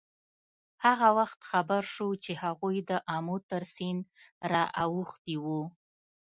هغه وخت خبر شو چې هغوی د آمو تر سیند را اوښتي وو.